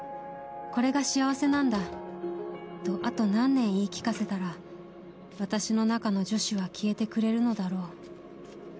これが幸せなんだとあと何年言い聞かせたら私の中の女子は消えてくれるのだろう。